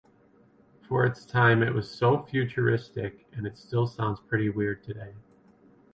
For its time it was so futuristic and it still sounds pretty weird today.